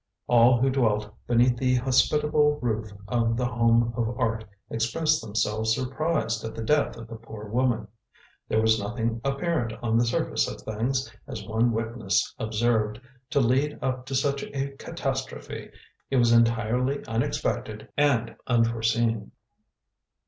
All who dwelt beneath the hospitable roof of The Home of Art expressed themselves surprised at the death of the poor woman. There was nothing apparent on the surface of things, as one witness observed, to lead up to such a catastrophe. It was entirely unexpected and unforeseen.